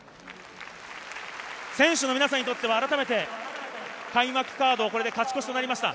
選手の皆さんにとってはあらためて開幕カード、勝ち越しとなりました。